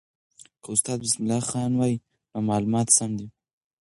که استاد بسم الله خان وایي، نو معلومات سم دي.